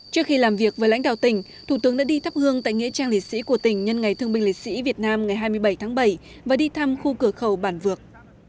trước khi làm việc với lãnh đạo tỉnh thủ tướng đã đi thắp hương tại nghĩa trang liệt sĩ của tỉnh nhân ngày thương binh liệt sĩ việt nam ngày hai mươi bảy tháng bảy và đi thăm khu cửa khẩu bản vược